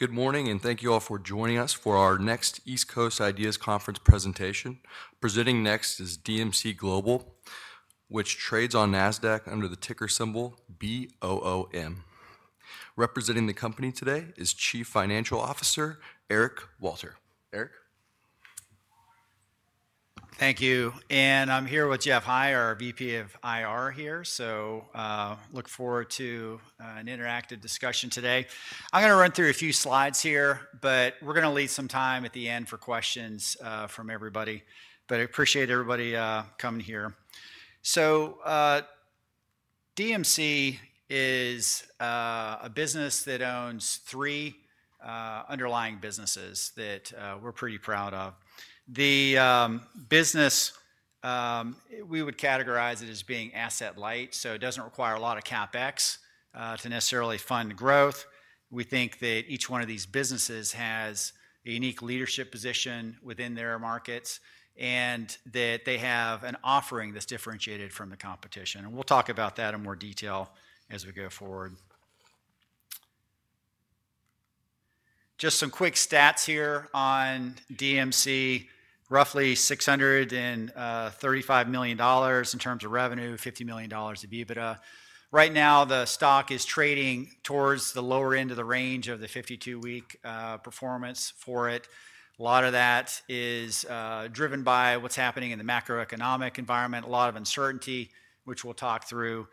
Good morning, and thank you all for joining us for our next East Coast Ideas Conference presentation. Presenting next is DMC Global, which trades on NASDAQ under the ticker symbol BOOM. Representing the company today is Chief Financial Officer Eric Walter. Eric? Thank you. And I'm here with Geoff High, our VP of IR here, so I look forward to an interactive discussion today. I'm going to run through a few slides here, but we're going to leave some time at the end for questions from everybody. But I appreciate everybody coming here. So DMC is a business that owns three underlying businesses that we're pretty proud of. The business, we would categorize it as being asset-light, so it doesn't require a lot of CapEx to necessarily fund growth. We think that each one of these businesses has a unique leadership position within their markets and that they have an offering that's differentiated from the competition. And we'll talk about that in more detail as we go forward. Just some quick stats here on DMC: roughly $635 million in terms of revenue, $50 million EBITDA. Right now, the stock is trading towards the lower end of the range of the 52-week performance for it. A lot of that is driven by what's happening in the macroeconomic environment, a lot of uncertainty, which we'll talk through.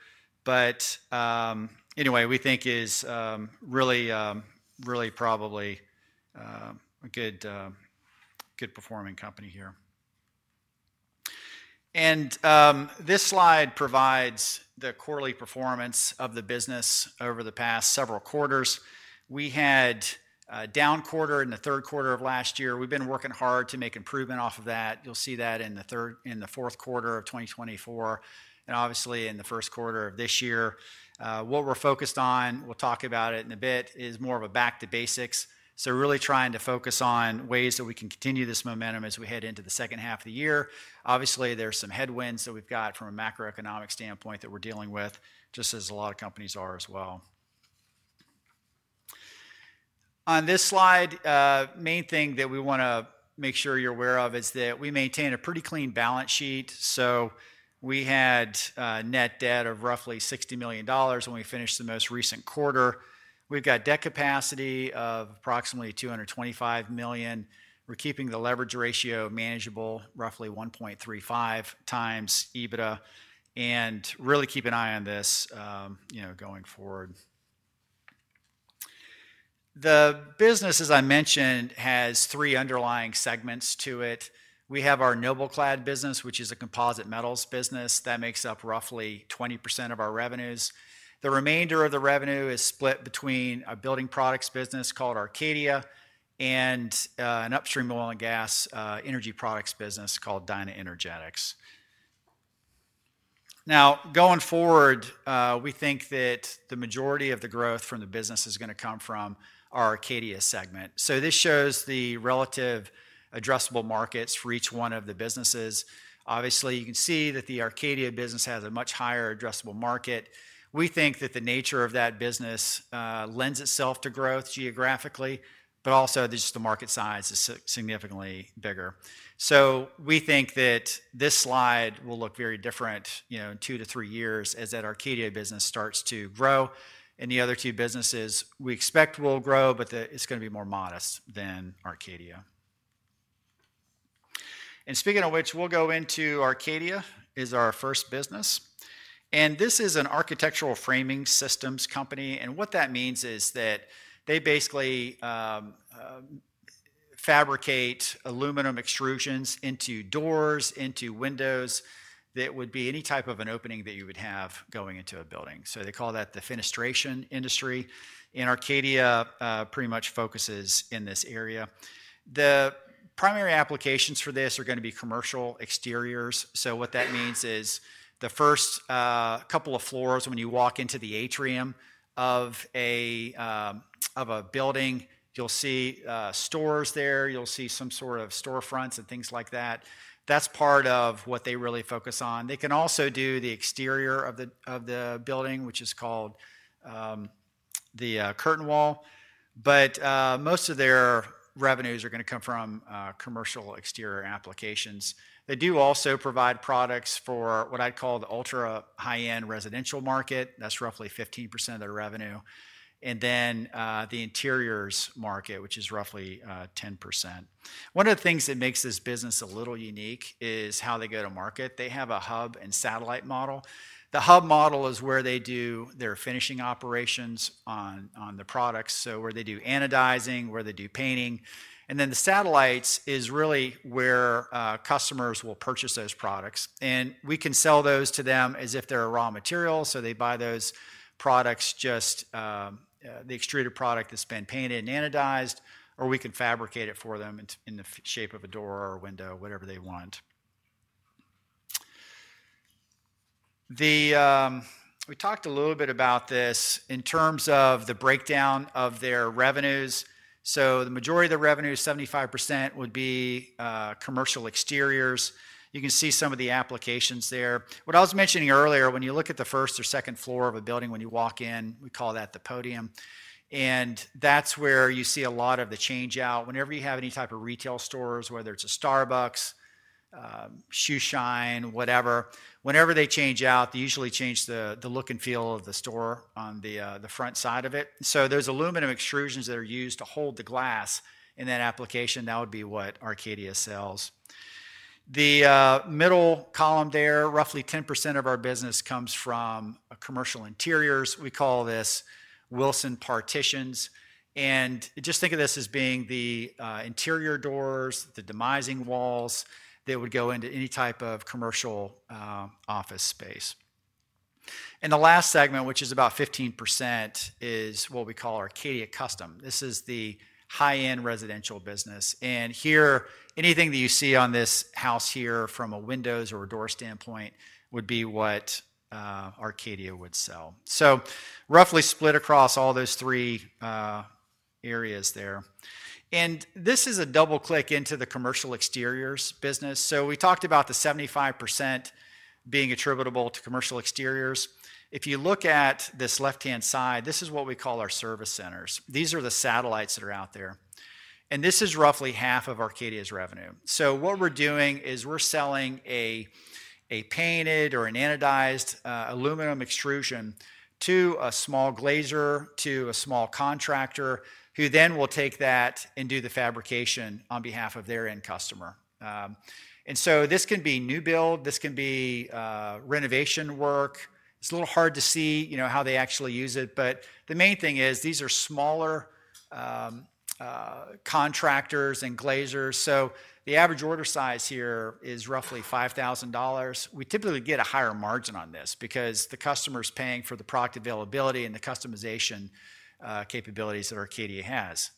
Anyway, we think is really, really probably a good performing company here. This slide provides the quarterly performance of the business over the past several quarters. We had a down quarter in the third quarter of last year. We've been working hard to make improvement off of that. You'll see that in the fourth quarter of 2024 and obviously in the first quarter of this year. What we're focused on, we'll talk about it in a bit, is more of a back-to-basics. Really trying to focus on ways that we can continue this momentum as we head into the second half of the year. Obviously, there's some headwinds that we've got from a macroeconomic standpoint that we're dealing with, just as a lot of companies are as well. On this slide, the main thing that we want to make sure you're aware of is that we maintain a pretty clean balance sheet. We had net debt of roughly $60 million when we finished the most recent quarter. We've got debt capacity of approximately $225 million. We're keeping the leverage ratio manageable, roughly 1.35 times EBITDA, and really keep an eye on this going forward. The business, as I mentioned, has three underlying segments to it. We have our NobelClad business, which is a composite metals business that makes up roughly 20% of our revenues. The remainder of the revenue is split between a building products business called Arcadia and an upstream oil and gas energy products business called DynaEnergetics. Now, going forward, we think that the majority of the growth from the business is going to come from our Arcadia segment. This shows the relative addressable markets for each one of the businesses. Obviously, you can see that the Arcadia business has a much higher addressable market. We think that the nature of that business lends itself to growth geographically, but also just the market size is significantly bigger. We think that this slide will look very different in two-three years as that Arcadia business starts to grow. The other two businesses we expect will grow, but it is going to be more modest than Arcadia. Speaking of which, we will go into Arcadia as our first business. This is an architectural framing systems company. What that means is that they basically fabricate aluminum extrusions into doors, into windows that would be any type of an opening that you would have going into a building. They call that the fenestration industry. Arcadia pretty much focuses in this area. The primary applications for this are going to be commercial exteriors. What that means is the first couple of floors when you walk into the atrium of a building, you'll see stores there. You'll see some sort of storefronts and things like that. That's part of what they really focus on. They can also do the exterior of the building, which is called the curtain wall. Most of their revenues are going to come from commercial exterior applications. They do also provide products for what I'd call the ultra-high-end residential market. That's roughly 15% of their revenue. The interiors market, which is roughly 10%. One of the things that makes this business a little unique is how they go to market. They have a hub and satellite model. The hub model is where they do their finishing operations on the products, where they do anodizing, where they do painting. The satellites is really where customers will purchase those products. We can sell those to them as if they're raw materials. They buy those products, just the extruded product that's been painted and anodized, or we can fabricate it for them in the shape of a door or a window, whatever they want. We talked a little bit about this in terms of the breakdown of their revenues. The majority of the revenue, 75%, would be commercial exteriors. You can see some of the applications there. What I was mentioning earlier, when you look at the first or second floor of a building when you walk in, we call that the podium. That's where you see a lot of the change out. Whenever you have any type of retail stores, whether it's a Starbucks, shoe shine, whatever, whenever they change out, they usually change the look and feel of the store on the front side of it. There are aluminum extrusions that are used to hold the glass in that application. That would be what Arcadia sells. The middle column there, roughly 10% of our business comes from commercial interiors. We call this Wilson Partitions. Just think of this as being the interior doors, the demising walls that would go into any type of commercial office space. The last segment, which is about 15%, is what we call Arcadia Custom. This is the high-end residential business. Here, anything that you see on this house here from a windows or a door standpoint would be what Arcadia would sell. Roughly split across all those three areas there. This is a double-click into the commercial exteriors business. We talked about the 75% being attributable to commercial exteriors. If you look at this left-hand side, this is what we call our service centers. These are the satellites that are out there. This is roughly half of Arcadia's revenue. What we are doing is we are selling a painted or an anodized aluminum extrusion to a small glazier, to a small contractor, who then will take that and do the fabrication on behalf of their end customer. This can be new build. This can be renovation work. It is a little hard to see how they actually use it. The main thing is these are smaller contractors and glazers. The average order size here is roughly $5,000. We typically get a higher margin on this because the customer's paying for the product availability and the customization capabilities that Arcadia has.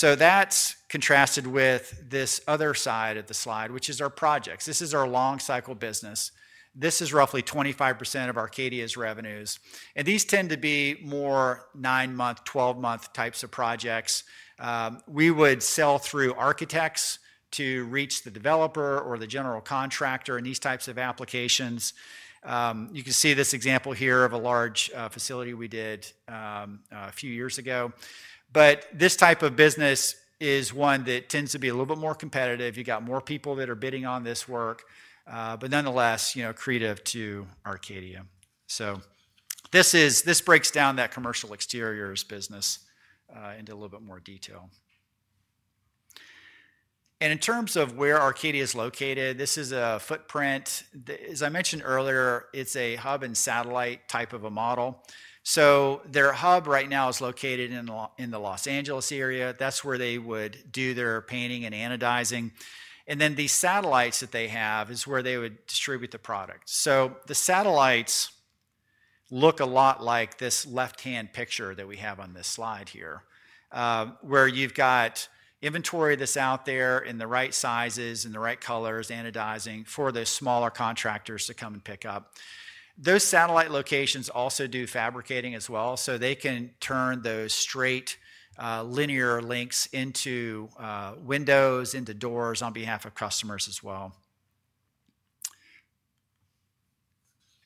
That is contrasted with this other side of the slide, which is our projects. This is our long-cycle business. This is roughly 25% of Arcadia's revenues. These tend to be more 9-month, 12-month types of projects. We would sell through architects to reach the developer or the general contractor in these types of applications. You can see this example here of a large facility we did a few years ago. This type of business is one that tends to be a little bit more competitive. You have more people that are bidding on this work, but nonetheless, creative to Arcadia. This breaks down that commercial exteriors business into a little bit more detail. In terms of where Arcadia is located, this is a footprint. As I mentioned earlier, it's a hub and satellite type of a model. Their hub right now is located in the Los Angeles area. That's where they would do their painting and anodizing. The satellites that they have is where they would distribute the product. The satellites look a lot like this left-hand picture that we have on this slide here, where you've got inventory that's out there in the right sizes, in the right colors, anodizing for the smaller contractors to come and pick up. Those satellite locations also do fabricating as well, so they can turn those straight linear links into windows, into doors on behalf of customers as well.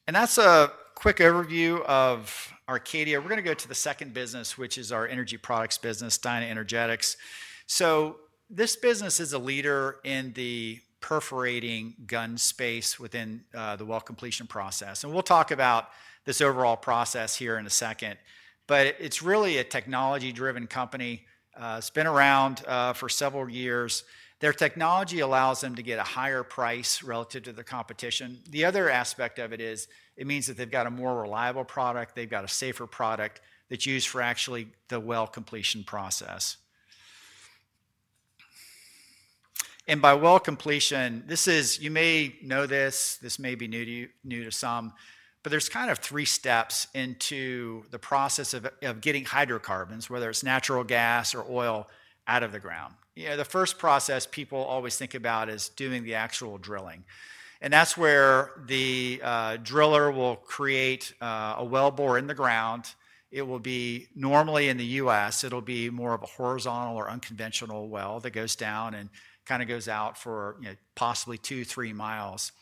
That's a quick overview of Arcadia. We're going to go to the second business, which is our energy products business, DynaEnergetics. This business is a leader in the perforating gun space within the well completion process. We'll talk about this overall process here in a second. It's really a technology-driven company. It's been around for several years. Their technology allows them to get a higher price relative to the competition. The other aspect of it is it means that they've got a more reliable product. They've got a safer product that's used for actually the well completion process. By well completion, this is, you may know this, this may be new to some, but there's kind of three steps in the process of getting hydrocarbons, whether it's natural gas or oil, out of the ground. The first process people always think about is doing the actual drilling. That is where the driller will create a well bore in the ground. It will be normally in the U.S., it will be more of a horizontal or unconventional well that goes down and kind of goes out for possibly two, three miles.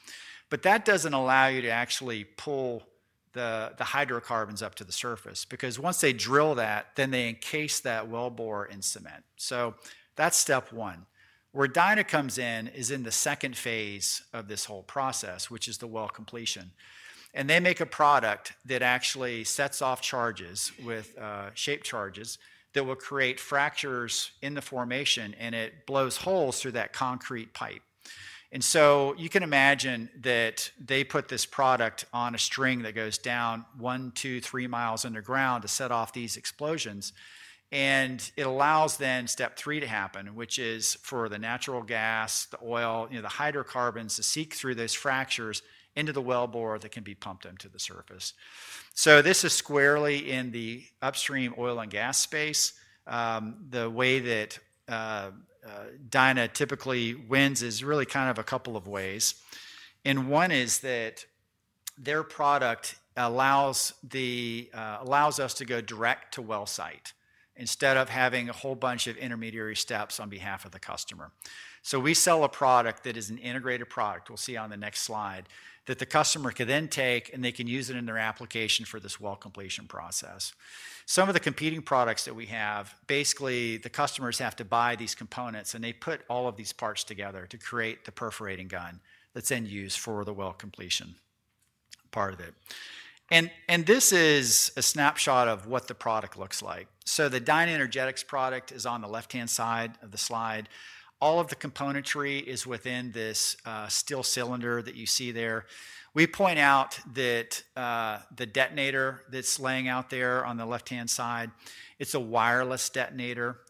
That does not allow you to actually pull the hydrocarbons up to the surface because once they drill that, they encase that well bore in cement. That is step one. Where DynaEnergetics comes in is in the second phase of this whole process, which is the well completion. They make a product that actually sets off charges with shape charges that will create fractures in the formation, and it blows holes through that concrete pipe. You can imagine that they put this product on a string that goes down one, two, three miles underground to set off these explosions. It allows then step three to happen, which is for the natural gas, the oil, the hydrocarbons to seep through those fractures into the well bore that can be pumped to the surface. This is squarely in the upstream oil and gas space. The way that DynaEnergetics typically wins is really kind of a couple of ways. One is that their product allows us to go direct to well site instead of having a whole bunch of intermediary steps on behalf of the customer. We sell a product that is an integrated product, we'll see on the next slide, that the customer can then take and they can use it in their application for this well completion process. Some of the competing products that we have, basically, the customers have to buy these components, and they put all of these parts together to create the perforating gun that is then used for the well completion part of it. This is a snapshot of what the product looks like. The DynaEnergetics product is on the left-hand side of the slide. All of the componentry is within this steel cylinder that you see there. We point out that the detonator that is laying out there on the left-hand side, it is a wireless detonator.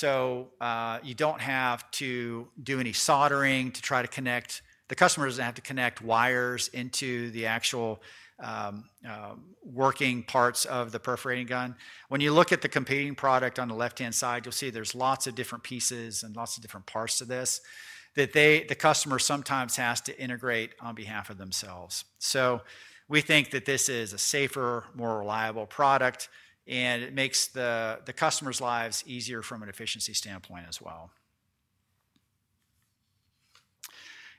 You do not have to do any soldering to try to connect. The customers do not have to connect wires into the actual working parts of the perforating gun. When you look at the competing product on the left-hand side, you'll see there's lots of different pieces and lots of different parts to this that the customer sometimes has to integrate on behalf of themselves. We think that this is a safer, more reliable product, and it makes the customer's lives easier from an efficiency standpoint as well.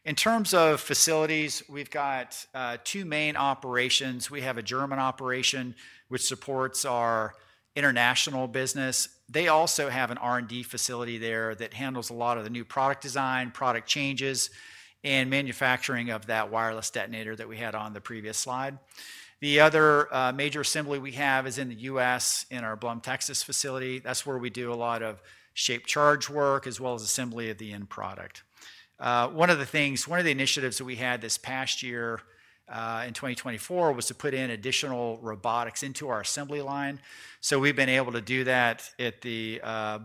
In terms of facilities, we've got two main operations. We have a German operation, which supports our international business. They also have an R&D facility there that handles a lot of the new product design, product changes, and manufacturing of that wireless detonator that we had on the previous slide. The other major assembly we have is in the U.S. in our Blum, Texas facility. That's where we do a lot of shape charge work as well as assembly of the end product. One of the things, one of the initiatives that we had this past year in 2024 was to put in additional robotics into our assembly line. We have been able to do that at the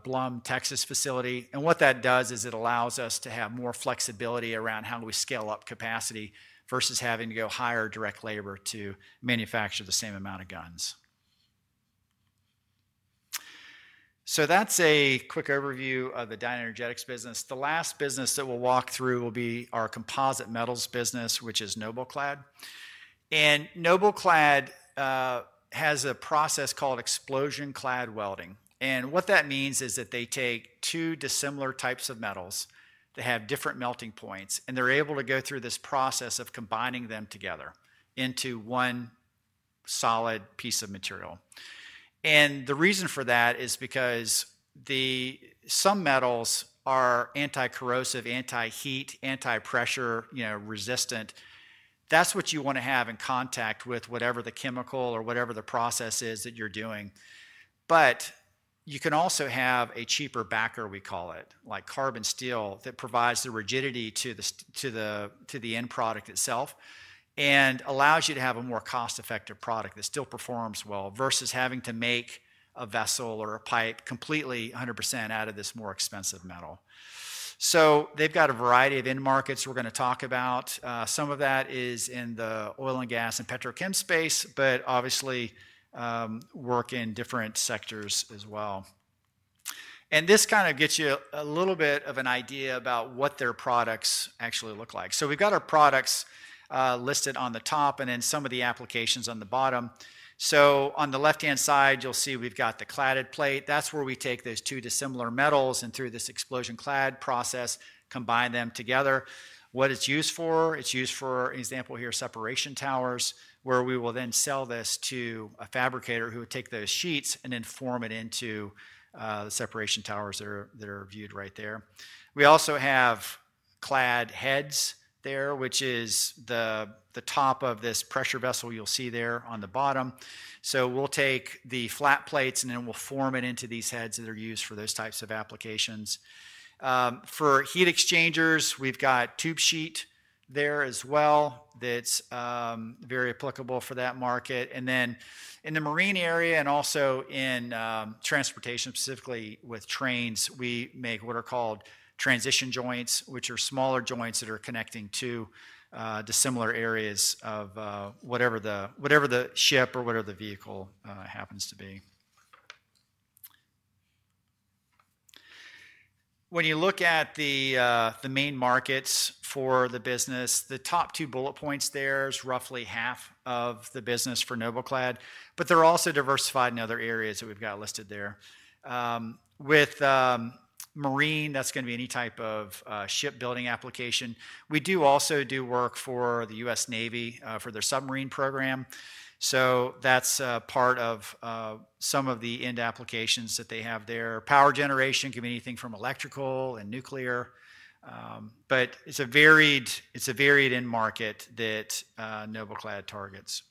Blum, Texas facility. What that does is it allows us to have more flexibility around how we scale up capacity versus having to go hire direct labor to manufacture the same amount of guns. That is a quick overview of the DynaEnergetics business. The last business that we will walk through will be our composite metals business, which is NobelClad. NobelClad has a process called explosion clad welding. What that means is that they take two dissimilar types of metals that have different melting points, and they are able to go through this process of combining them together into one solid piece of material. The reason for that is because some metals are anti-corrosive, anti-heat, anti-pressure resistant. That is what you want to have in contact with whatever the chemical or whatever the process is that you are doing. You can also have a cheaper backer, we call it, like carbon steel, that provides the rigidity to the end product itself and allows you to have a more cost-effective product that still performs well versus having to make a vessel or a pipe completely 100% out of this more expensive metal. They have got a variety of end markets we are going to talk about. Some of that is in the oil and gas and petrochem space, but obviously work in different sectors as well. This kind of gets you a little bit of an idea about what their products actually look like. We've got our products listed on the top and then some of the applications on the bottom. On the left-hand side, you'll see we've got the cladded plate. That's where we take those two dissimilar metals and through this explosion clad process, combine them together. What it's used for, it's used for, an example here, separation towers, where we will then sell this to a fabricator who will take those sheets and then form it into separation towers that are viewed right there. We also have clad heads there, which is the top of this pressure vessel you'll see there on the bottom. We'll take the flat plates and then we'll form it into these heads that are used for those types of applications. For heat exchangers, we've got tube sheet there as well. That's very applicable for that market. In the marine area and also in transportation, specifically with trains, we make what are called transition joints, which are smaller joints that are connecting to dissimilar areas of whatever the ship or whatever the vehicle happens to be. When you look at the main markets for the business, the top two bullet points there, it's roughly half of the business for NobelClad, but they're also diversified in other areas that we've got listed there. With marine, that's going to be any type of shipbuilding application. We do also do work for the U.S. Navy for their submarine program. That is part of some of the end applications that they have there. Power generation can be anything from electrical and nuclear. It is a varied end market that NobelClad targets.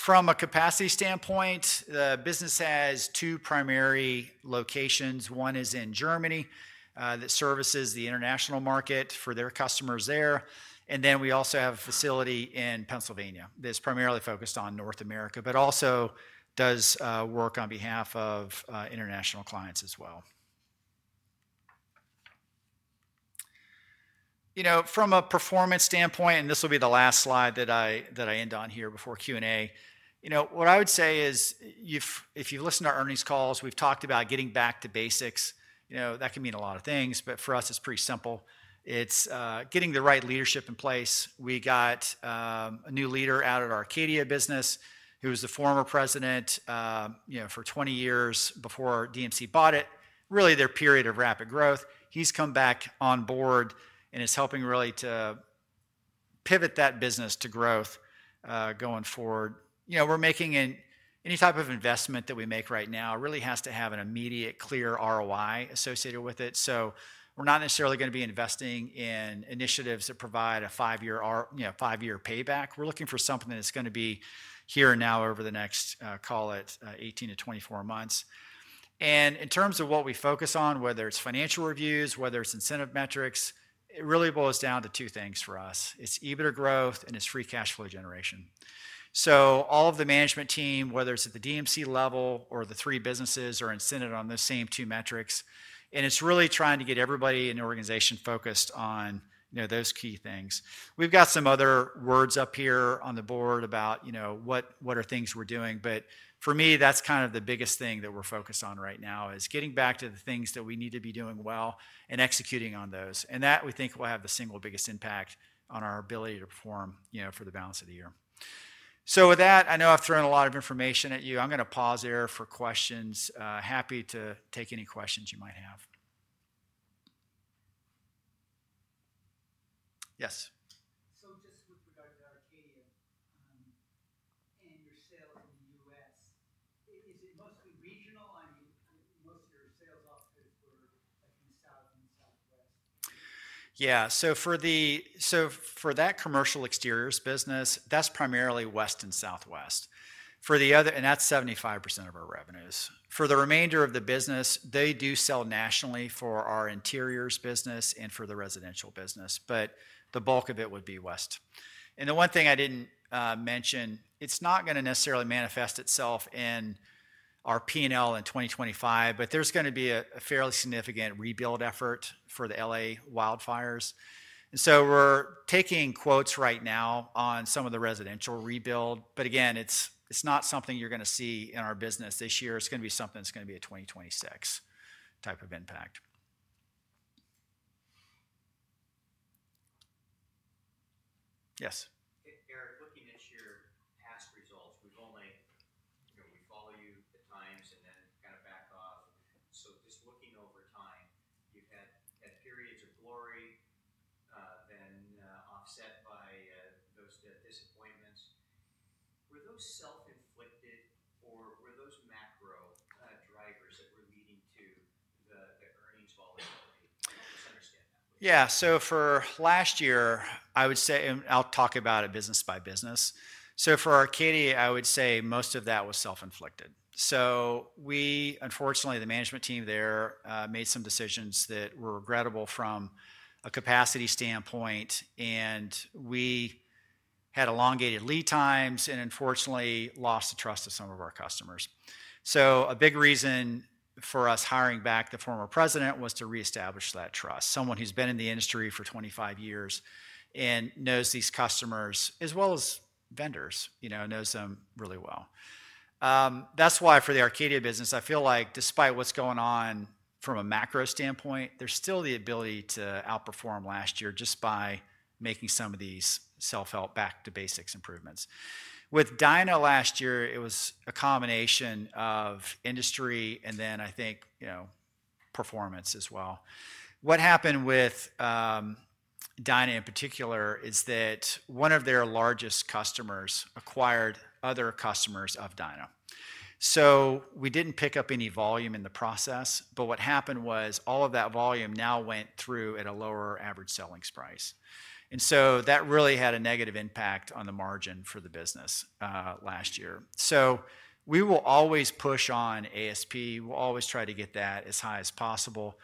From a capacity standpoint, the business has two primary locations. One is in Germany that services the international market for their customers there. We also have a facility in Pennsylvania that's primarily focused on North America, but also does work on behalf of international clients as well. From a performance standpoint, and this will be the last slide that I end on here before Q&A, what I would say is if you've listened to our earnings calls, we've talked about getting back to basics. That can mean a lot of things, but for us, it's pretty simple. It's getting the right leadership in place. We got a new leader out of our Arcadia business who was the former president for 20 years before DMC Global bought it. Really, their period of rapid growth. He's come back on board and is helping really to pivot that business to growth going forward. We're making any type of investment that we make right now really has to have an immediate, clear ROI associated with it. We're not necessarily going to be investing in initiatives that provide a five-year payback. We're looking for something that's going to be here and now over the next, call it 18-24 months. In terms of what we focus on, whether it's financial reviews, whether it's incentive metrics, it really boils down to two things for us. It's EBITDA growth and it's free cash flow generation. All of the management team, whether it's at the DMC level or the three businesses, are incented on those same two metrics. It's really trying to get everybody in the organization focused on those key things. We've got some other words up here on the board about what are things we're doing. For me, that's kind of the biggest thing that we're focused on right now is getting back to the things that we need to be doing well and executing on those. That we think will have the single biggest impact on our ability to perform for the balance of the year. With that, I know I've thrown a lot of information at you. I'm going to pause here for questions. Happy to take any questions you might have. Yes. Just with regard to Arcadia and your sales in the U.S., is it mostly regional? I mean, most of your sales offices were in the south and southwest. Yeah. For that commercial exteriors business, that's primarily west and southwest. That's 75% of our revenues. For the remainder of the business, they do sell nationally for our interiors business and for the residential business, but the bulk of it would be west. The one thing I did not mention, it is not going to necessarily manifest itself in our P&L in 2025, but there is going to be a fairly significant rebuild effort for the LA wildfires. We are taking quotes right now on some of the residential rebuild. Again, it is not something you are going to see in our business this year. It is going to be something that is going to be a 2026 type of impact. Yes. Eric, looking at your past results, we follow you at times and then kind of back off. Just looking over time, you have had periods of glory, then offset by those disappointments. Were those self-inflicted or were those macro drivers that were leading to the earnings volatility? Just understand that, please. Yeah. For last year, I would say, and I'll talk about it business by business. For Arcadia, I would say most of that was self-inflicted. We, unfortunately, the management team there made some decisions that were regrettable from a capacity standpoint, and we had elongated lead times and unfortunately lost the trust of some of our customers. A big reason for us hiring back the former president was to reestablish that trust. Someone who's been in the industry for 25 years and knows these customers as well as vendors, knows them really well. That's why for the Arcadia business, I feel like despite what's going on from a macro standpoint, there's still the ability to outperform last year just by making some of these self-help back-to-basics improvements. With DynaEnergetics last year, it was a combination of industry and then I think performance as well. What happened with DynaEnergetics in particular is that one of their largest customers acquired other customers of DynaEnergetics. We did not pick up any volume in the process, but what happened was all of that volume now went through at a lower average selling price. That really had a negative impact on the margin for the business last year. We will always push on ASP. We will always try to get that as high as possible.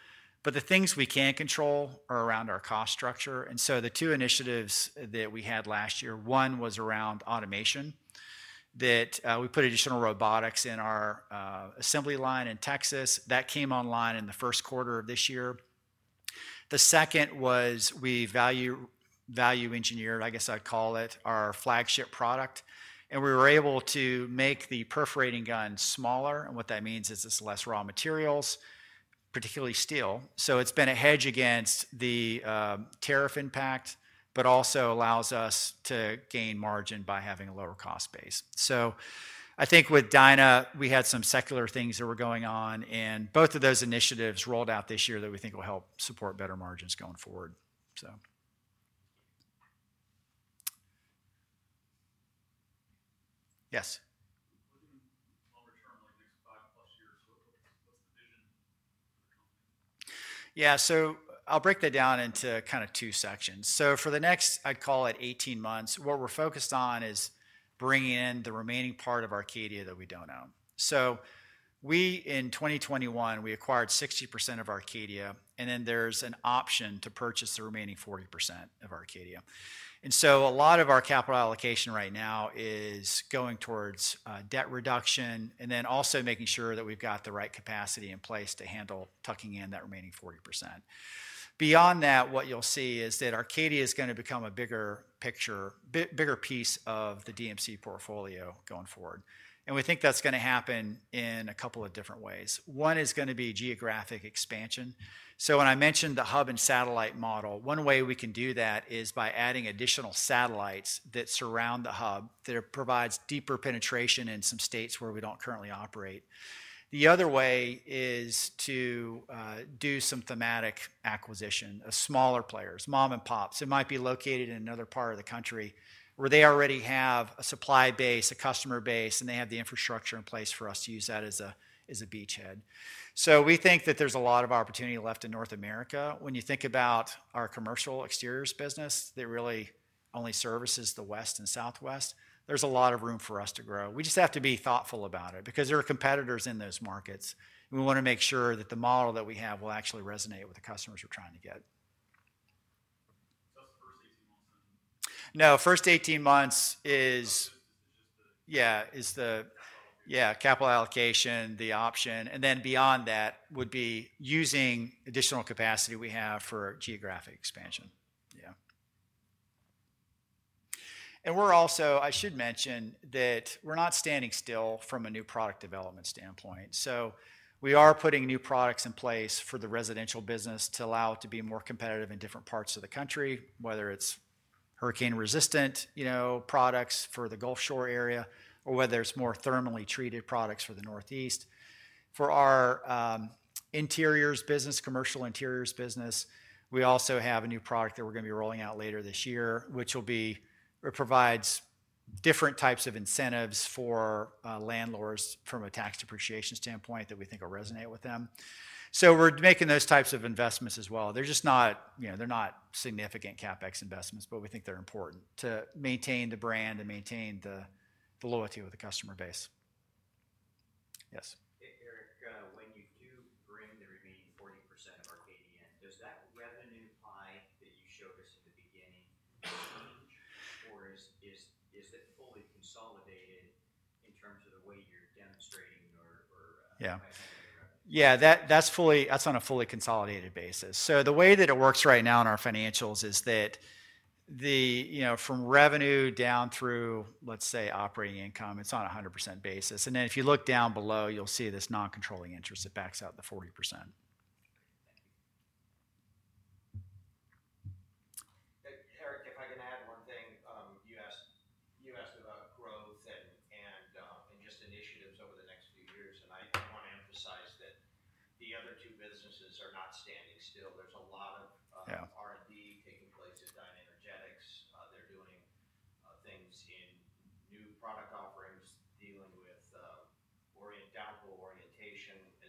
The things we can control are around our cost structure. The two initiatives that we had last year, one was around automation, that we put additional robotics in our assembly line in Texas. That came online in the first quarter of this year. The second was we value engineered, I guess I'd call it, our flagship product. We were able to make the perforating gun smaller. What that means is it's less raw materials, particularly steel. It's been a hedge against the tariff impact, but also allows us to gain margin by having a lower cost base. I think with DynaEnergetics, we had some secular things that were going on. Both of those initiatives rolled out this year that we think will help support better margins going forward. Yes. Longer term, like next 5+ years. What's the vision for the company? Yeah. I'll break that down into kind of two sections. For the next, I'd call it 18 months, what we're focused on is bringing in the remaining part of Arcadia that we don't own. In 2021, we acquired 60% of Arcadia, and then there is an option to purchase the remaining 40% of Arcadia. A lot of our capital allocation right now is going towards debt reduction and also making sure that we have the right capacity in place to handle tucking in that remaining 40%. Beyond that, what you will see is that Arcadia is going to become a bigger picture, bigger piece of the DMC portfolio going forward. We think that is going to happen in a couple of different ways. One is going to be geographic expansion. When I mentioned the hub and satellite model, one way we can do that is by adding additional satellites that surround the hub that provides deeper penetration in some states where we do not currently operate. The other way is to do some thematic acquisition, smaller players, mom and pops. It might be located in another part of the country where they already have a supply base, a customer base, and they have the infrastructure in place for us to use that as a beachhead. We think that there's a lot of opportunity left in North America. When you think about our commercial exteriors business that really only services the West and Southwest, there's a lot of room for us to grow. We just have to be thoughtful about it because there are competitors in those markets. We want to make sure that the model that we have will actually resonate with the customers we're trying to get. Just first 18 months then. No, first 18 months is just the, yeah, is the, yeah, capital allocation, the option. And then beyond that would be using additional capacity we have for geographic expansion. Yeah. We are also, I should mention that we're not standing still from a new product development standpoint. We are putting new products in place for the residential business to allow it to be more competitive in different parts of the country, whether it's hurricane-resistant products for the Gulf Shore area or whether it's more thermally treated products for the Northeast. For our interiors business, commercial interiors business, we also have a new product that we're going to be rolling out later this year, which will be or provides different types of incentives for landlords from a tax depreciation standpoint that we think will resonate with them. We are making those types of investments as well. They're just not, they're not significant CapEx investments, but we think they're important to maintain the brand and maintain the loyalty with the customer base. Yes. Eric, when you do bring the remaining 40% of Arcadia, does that revenue pie that you showed us in the beginning change or is it fully consolidated in terms of the way you're demonstrating or? Yeah.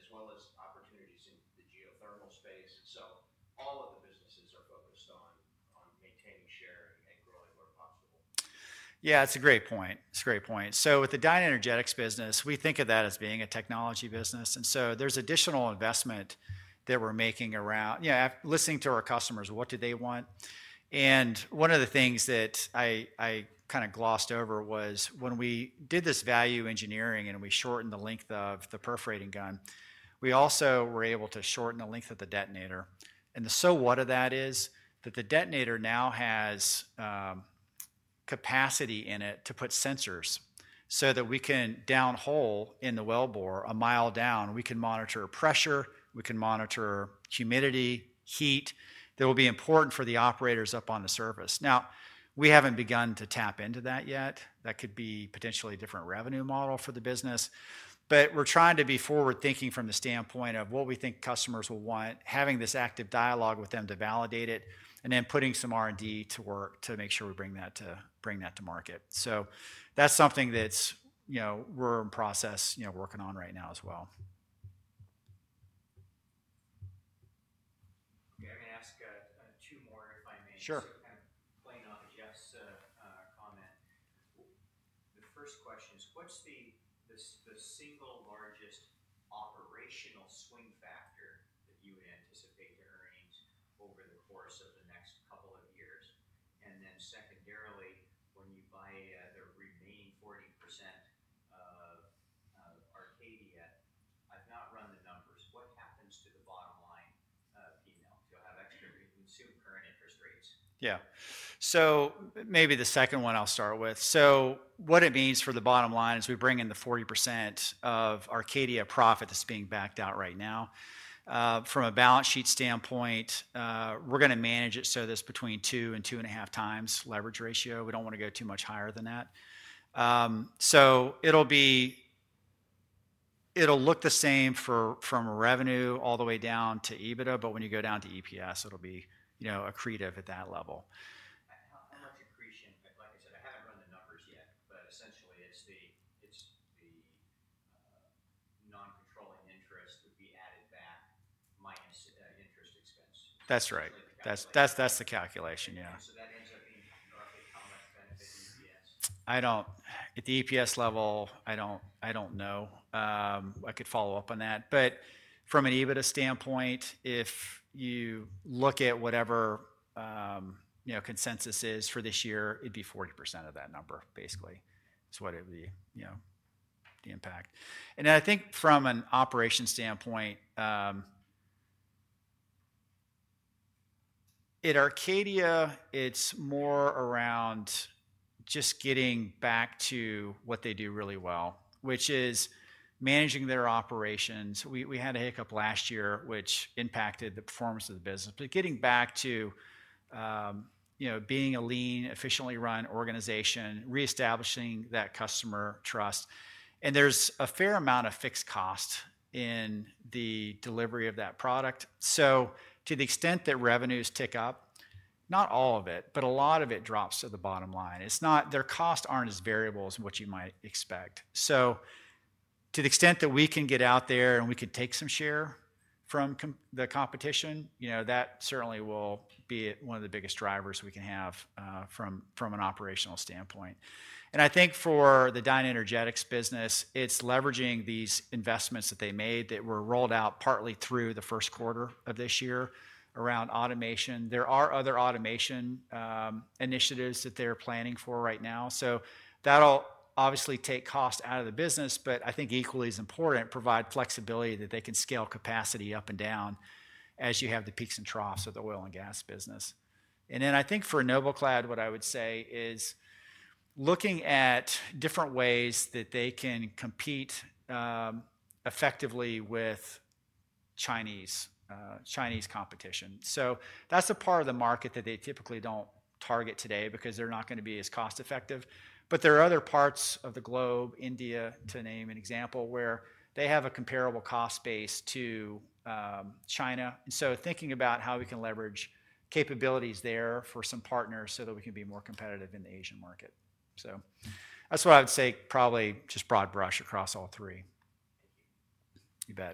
as well as opportunities in the geothermal space. All of the businesses are focused on maintaining share and growing where possible. Yeah, that's a great point. It's a great point. With the DynaEnergetics business, we think of that as being a technology business. There is additional investment that we're making around listening to our customers, what do they want? One of the things that I kind of glossed over was when we did this value engineering and we shortened the length of the perforating gun, we also were able to shorten the length of the detonator. The so what of that is that the detonator now has capacity in it to put sensors so that we can down hole in the well bore a mile down. We can monitor pressure. We can monitor humidity, heat. That will be important for the operators up on the surface. Now, we haven't begun to tap into that yet. That could be potentially a different revenue model for the business. But we're trying to be forward-thinking from the standpoint of what we think customers will want, having this active dialogue with them to validate it, and then putting some R&D to work to make sure we bring that to market. That's something that we're in process working on right now as well. Okay. I'm going to ask two more if I may. Sure. Kind of playing on Jeff's comment. The first question is, what's the single largest operational swing factor that you would anticipate to earnings over the course of the next couple of years? And then secondarily, when you buy the remaining 40% of Arcadia, I've not run the numbers. What happens to the bottom line P&L? Do you have extra consumed current interest rates? Yeah. Maybe the second one I'll start with. What it means for the bottom line is we bring in the 40% of Arcadia profit that's being backed out right now. From a balance sheet standpoint, we're going to manage it so that it's between two and two and a half times leverage ratio. We don't want to go too much higher than that. It'll look the same from revenue all the way down to EBITDA, but when you go down to EPS, it'll be accretive at that level. How much accretion? Like I said, I haven't run the numbers yet, but essentially it's the non-controlling interest that we added back minus interest expense. That's right. That's the calculation, yeah. That ends up being roughly how much benefit EPS? At the EPS level, I don't know. I could follow up on that. From an EBITDA standpoint, if you look at whatever consensus is for this year, it would be 40% of that number, basically, is what it would be, the impact. I think from an operation standpoint, at Arcadia, it is more around just getting back to what they do really well, which is managing their operations. We had a hiccup last year, which impacted the performance of the business. Getting back to being a lean, efficiently run organization, reestablishing that customer trust. There is a fair amount of fixed cost in the delivery of that product. To the extent that revenues tick up, not all of it, but a lot of it drops to the bottom line. Their costs are not as variable as what you might expect. To the extent that we can get out there and we can take some share from the competition, that certainly will be one of the biggest drivers we can have from an operational standpoint. I think for the DynaEnergetics business, it's leveraging these investments that they made that were rolled out partly through the first quarter of this year around automation. There are other automation initiatives that they're planning for right now. That'll obviously take cost out of the business, but I think equally as important, provide flexibility that they can scale capacity up and down as you have the peaks and troughs of the oil and gas business. I think for NobelClad, what I would say is looking at different ways that they can compete effectively with Chinese competition. That's a part of the market that they typically don't target today because they're not going to be as cost-effective. There are other parts of the globe, India, to name an example, where they have a comparable cost base to China. Thinking about how we can leverage capabilities there for some partners so that we can be more competitive in the Asian market. That's what I would say, probably just broad brush across all three. Thank you. You bet.